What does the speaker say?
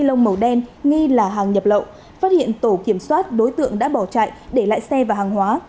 lông màu đen nghi là hàng nhập lậu phát hiện tổ kiểm soát đối tượng đã bỏ chạy để lại xe và hàng hóa